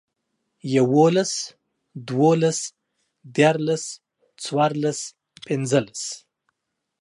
يوولس، دوولس، ديارلس، څوارلس، پينځلس